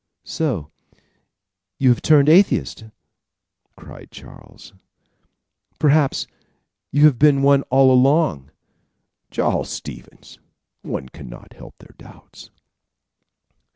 "So you have turned atheist?" cried Charles. "Perhaps you have been one all along?" "Charles Stevens, one cannot help their doubts."